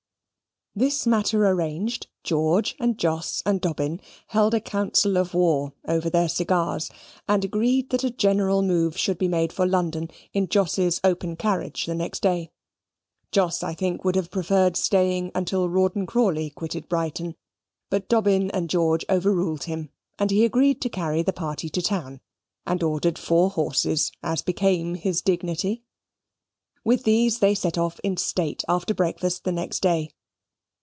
This matter arranged, George, and Jos, and Dobbin, held a council of war over their cigars, and agreed that a general move should be made for London in Jos's open carriage the next day. Jos, I think, would have preferred staying until Rawdon Crawley quitted Brighton, but Dobbin and George overruled him, and he agreed to carry the party to town, and ordered four horses, as became his dignity. With these they set off in state, after breakfast, the next day.